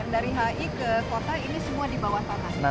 dari hi ke kota ini semua di bawah tanah